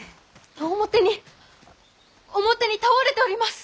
表に表に倒れております！